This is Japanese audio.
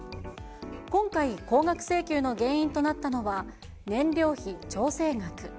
今回、高額請求の原因となったのは燃料費調整額。